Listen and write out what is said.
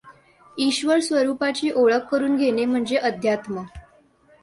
ईश्वरस्वरूपाची ओळख करून घेणे म्हणजे अध्यात्म.